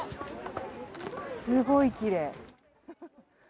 すごいきれい。